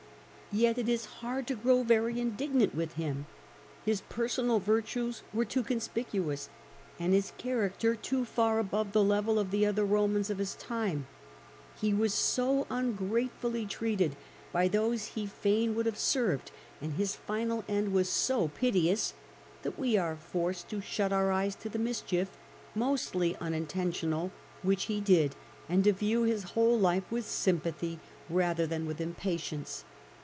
Yet it is hard to grow very indignant with him; his personal virtues are too conspicuous, and his character too far above the level of the other Eomans of his time. He was so ungratefully treated by those he POMPEY 236 fain would have served, and his final end was so piteous, that we are forced to shut our eyes to the mischief (mostly unintentional) which he did, and to view his whole life with sympathy rather than with impatience.